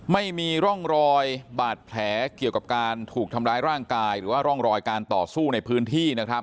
ไม่มีร่องรอยบาดแผลเกี่ยวกับการถูกทำร้ายร่างกายหรือว่าร่องรอยการต่อสู้ในพื้นที่นะครับ